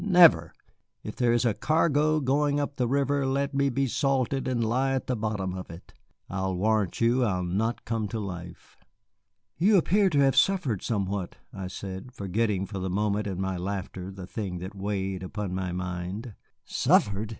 Never! If there is a cargo going up the river, let me be salted and lie at the bottom of it. I'll warrant you I'll not come to life." "You appear to have suffered somewhat," I said, forgetting for the moment in my laughter the thing that weighed upon my mind. "Suffered!"